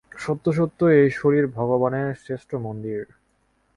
সত্য-সত্যই এই শরীর ভগবানের শ্রেষ্ঠ মন্দির।